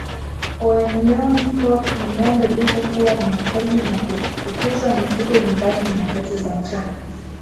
Oenioingok ni Ngombe dume huwa ni wakali na kufukuza mifugo nyumbani nyakati za mchana